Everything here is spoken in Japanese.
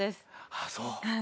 ああそう。